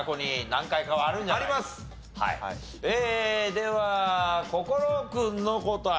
では心君の答え。